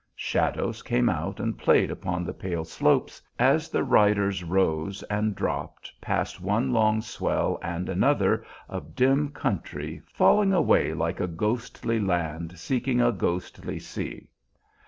Shadows came out and played upon the pale slopes, as the riders rose and dropped past one long swell and another of dim country falling away like a ghostly land seeking a ghostly sea.